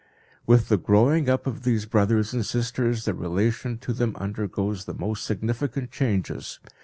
With the growing up of these brothers and sisters the relation to them undergoes the most significant changes.